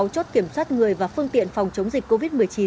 sáu chốt kiểm soát người và phương tiện phòng chống dịch covid một mươi chín